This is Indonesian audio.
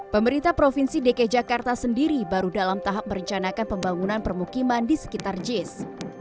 pemerintah provinsi dki jakarta sendiri baru dalam tahap merencanakan pembangunan permukiman di sekitar jis